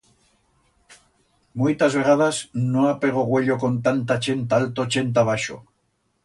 Muitas vegadas no apego uello con tanta chent ta alto, chent ta baixo.